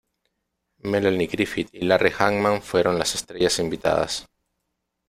Melanie Griffith y Larry Hagman fueron las estrellas invitadas.